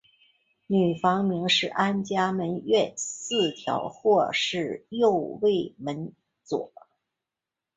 女房名是安嘉门院四条或是右卫门佐。